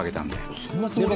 そんなつもりは。